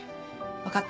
分かった。